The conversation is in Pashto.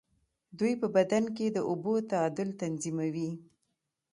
دوی په بدن کې د اوبو تعادل تنظیموي.